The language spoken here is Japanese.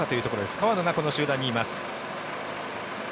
川野がこの集団にいます。